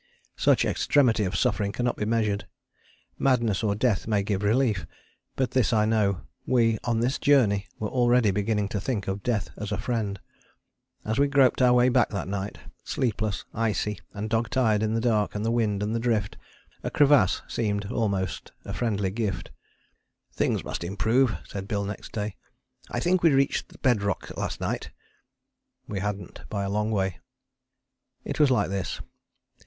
Such extremity of suffering cannot be measured: madness or death may give relief. But this I know: we on this journey were already beginning to think of death as a friend. As we groped our way back that night, sleepless, icy, and dog tired in the dark and the wind and the drift, a crevasse seemed almost a friendly gift. "Things must improve," said Bill next day, "I think we reached bed rock last night." We hadn't, by a long way. It was like this.